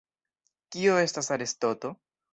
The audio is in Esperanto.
Kio estas arestoto?